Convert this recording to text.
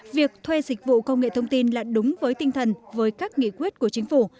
việc thuê dịch vụ công nghệ thông tin là đúng với tinh thần với các nghị quyết của chính phủ